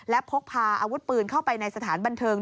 และพกพาอาวุธปืนเข้าไปในสถานบันเทิง